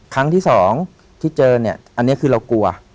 ครั้งที่สองที่เจอเนี่ยอันนี้คือเรากลัว